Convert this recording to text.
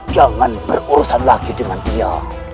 jangan berurusan lagi dengan dia